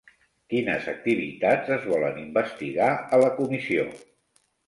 Quines activitats es volen investigar a la comissió?